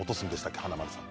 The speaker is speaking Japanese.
華丸さん。